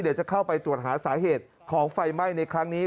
เดี๋ยวจะเข้าไปตรวจหาสาเหตุของไฟไหม้ในครั้งนี้